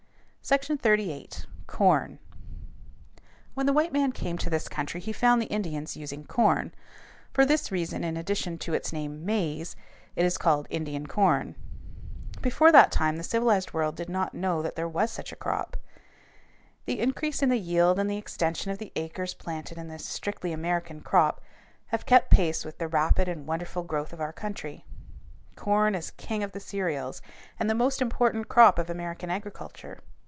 [Illustration: FIG. 198 A WIDELY GROWN CROP] SECTION XXXVIII. CORN When the white man came to this country he found the Indians using corn; for this reason, in addition to its name maize, it is called Indian corn. Before that time the civilized world did not know that there was such a crop. The increase in the yield and the extension of the acres planted in this strictly American crop have kept pace with the rapid and wonderful growth of our country. Corn is king of the cereals and the most important crop of American agriculture.